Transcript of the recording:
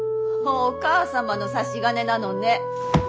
お母様の差し金なのね。